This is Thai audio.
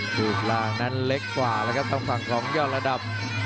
รูปร่างนั้นเล็กกว่าแล้วครับทางฝั่งของยอดระดับ